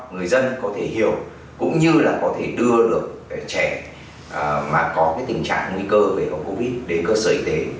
người dân có thể hiểu cũng như là có thể đưa được trẻ mà có tình trạng nguy cơ về phòng covid đến cơ sở y tế